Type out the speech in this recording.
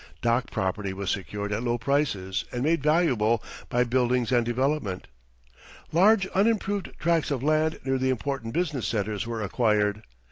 Dock property was secured at low prices and made valuable by buildings and development. Large unimproved tracts of land near the important business centres were acquired.